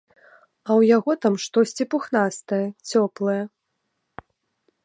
А ў яго там штосьці пухнастае, цёплае.